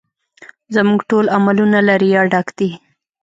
زموږ ټول عملونه له ریا ډک دي